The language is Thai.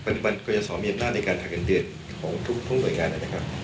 ปัจจุบันก็จะสอมเย็นมากในการหักอันเดือนของทุกผู้หน่วยงานนะครับ